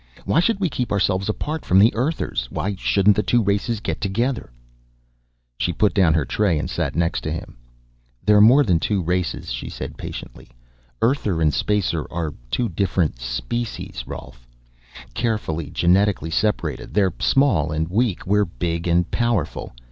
"Why should we keep ourselves apart from the Earthers? Why shouldn't the two races get together?" She put down her tray and sat next to him. "They're more than two races," she said patiently. "Earther and Spacer are two different species, Rolf. Carefully, genetically separated. They're small and weak, we're big and powerful.